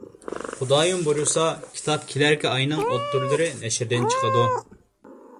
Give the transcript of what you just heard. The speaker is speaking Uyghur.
خۇدايىم بۇيرۇسا، كىتاب كېلەركى ئاينىڭ ئوتتۇرىلىرى نەشردىن چىقىدۇ.